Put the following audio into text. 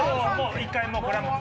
１回もう。